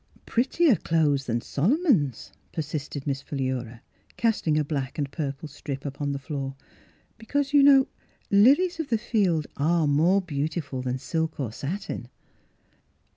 " Prettier clothes than Solomon's," per sisted Miss Philura, casting a black and purple strip upon the floor ;" because, you know, lilies of the field are more beautiful than silk or satin."